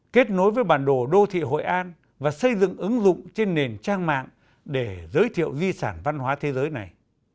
kết nối với bản đồ đô thị hội an và xây dựng ứng dụng trên nền trang mạng để giới thiệu di sản văn hóa thế giới này